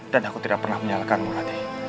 dan aku tidak pernah menyalahkanmu rati